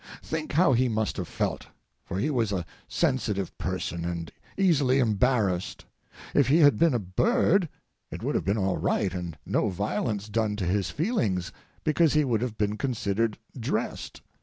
Think how he must have felt; for he was a sensitive person and easily embarrassed. If he had been a bird, it would have been all right, and no violence done to his feelings, because he would have been considered "dressed."